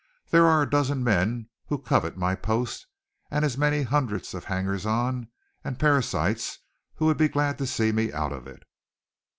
There are a dozen men who covet my post, and as many hundreds of hangers on and parasites who would be glad to see me out of it."